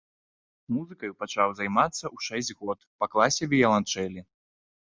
Музыкаю пачаў займацца ў шэсць год па класе віяланчэлі.